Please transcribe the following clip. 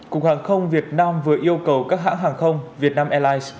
cục hàng không việt nam vừa yêu cầu các hãng hàng không vietnam airlines